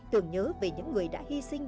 tưởng nhớ về những người đã hy sinh